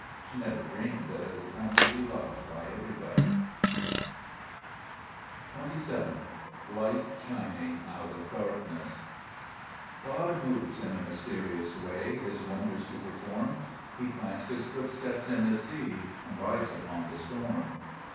She never dreamed that it would come to be loved by everybody. 48 Zbe West Cburcb Ibsmns. 27 %iQht Sbtning out of Bareness* GOD moves in a mysterious way His wonders to perform ; He plants His footsteps in the sea, And rides upon the storm.